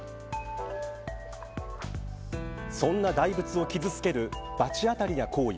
そんな大仏を傷付ける罰当たりな行為。